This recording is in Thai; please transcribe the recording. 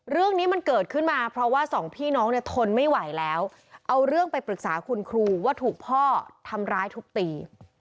เรื่องนี้มันเกิดขึ้นมาเพราะว่าสองพี่น้องเนี่ยทนไม่ไหวแล้วเอาเรื่องไปปรึกษาคุณครูว่าถูกพ่อทำร้ายทุบตี